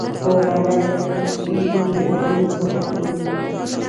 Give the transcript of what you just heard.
خو بلد لوستونکي په دې ښه پوهېږي.